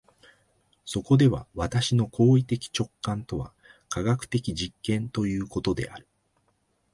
そこでは私の行為的直観とは科学的実験ということである。